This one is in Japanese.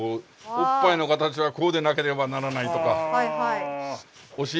お尻の形はこうでなければならない。へえ。